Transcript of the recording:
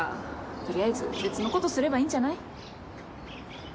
とりあえず別の事すればいいんじゃない？